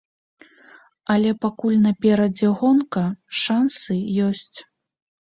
Але пакуль наперадзе гонка, шансы ёсць.